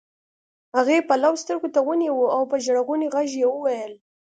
هغې پلو سترګو ته ونيوه او په ژړغوني غږ يې وويل.